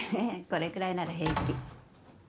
これくらいなら平気。